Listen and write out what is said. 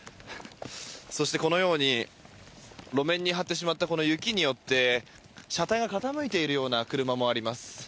そしてこのように路面に張ってしまった雪によって車体が傾いているような車もあります。